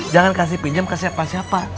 jangan kasih pinjam ke siapa siapa